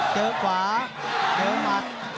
เจอกว่าเจอมัด